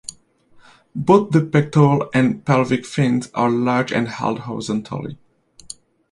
Both the pectorals and the pelvic fins are large and held horizontally.